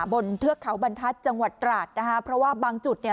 เทือกเขาบรรทัศน์จังหวัดตราดนะคะเพราะว่าบางจุดเนี่ย